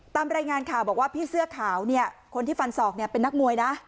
ตามรายงานข่าวบอกว่าพี่เสื้อขาวเนี่ยคนที่ฟันศอกเนี่ยเป็นนักมวยนะ